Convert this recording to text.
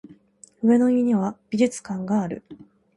上野には美術館がある